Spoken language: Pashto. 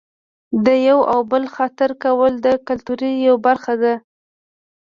د یوه او بل خاطر کول د کلتور یوه برخه ده.